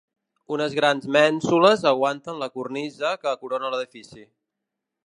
Unes grans mènsules aguanten la cornisa que corona l'edifici.